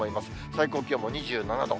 最高気温も２７度。